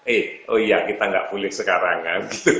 eh oh iya kita gak boleh sekarang ya